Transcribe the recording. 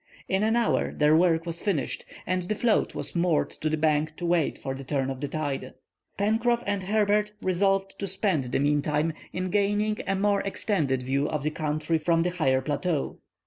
In an hour their work was finished, and the float was moored to the bank to wait for the turn of the tide. Pencroff and Herbert resolved to spend the mean time in gaining a more extended view of the country from the higher plateau.